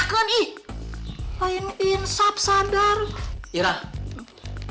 tidak ada yang tidak mungkin di dalam dunia ini